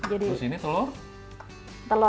terus ini telur